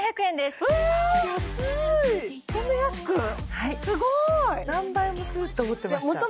すごーいはい何倍もすると思ってました